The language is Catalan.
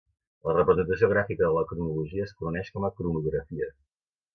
La representació gràfica de la cronologia es coneix com a cronografia.